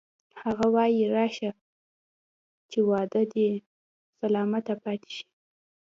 هغه وایی راشه چې وعده دې سلامته پاتې شي